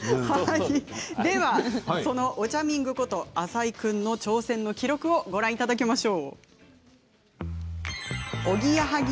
おちゃみんぐこと浅井君の挑戦の記録をご覧いただきましょう。